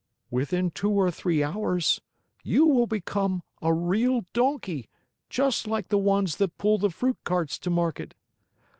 "Within two or three hours you will become a real donkey, just like the ones that pull the fruit carts to market."